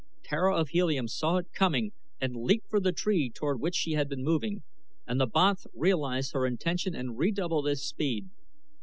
Tara of Helium saw it coming and leaped for the tree toward which she had been moving, and the banth realized her intention and redoubled his speed.